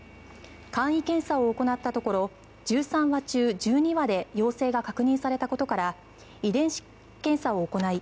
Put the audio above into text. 簡易検査を行ったところ１３羽中１２羽で陽性が確認されたことから遺伝子検査を行い